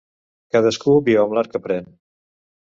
Cadascú viu amb l'art que aprèn.